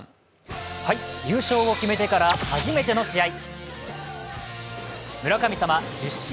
優勝を決めてから初めての試合。